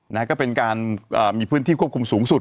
นะฮะก็เป็นการมีพื้นที่ควบคุมสูงสุด